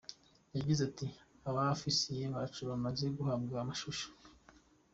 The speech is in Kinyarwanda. Yagize ati “Aba-Ofisiye bacu bamaze guhabwa amashusho.